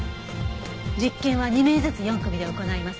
実験は２名ずつ４組で行います。